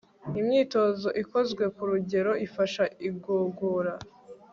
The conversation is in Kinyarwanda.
Imyitozo Ikozwe ku Rugero Ifasha Igogora